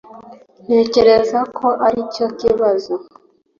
ntekereza ko aricyo kibazo